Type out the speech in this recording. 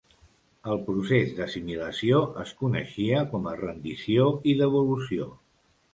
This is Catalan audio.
El procés d'assimilació es coneixia com a "rendició i devolució".